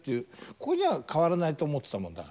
ここには変わらないと思ってたもんだから。